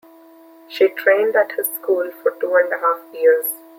She trained at his school for two and a half years.